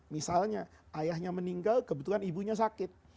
misalnya ayahnya meninggal kebetulan ibunya sakit